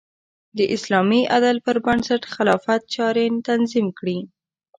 د اسلامي عدل پر بنسټ خلافت چارې تنظیم کړې.